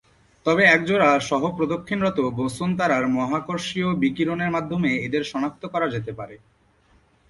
তবে, একজোড়া সহ-প্রদক্ষিণরত বোসন তারার মহাকর্ষীয় বিকিরণের মাধ্যমে এদের শনাক্ত করা যেতে পারে।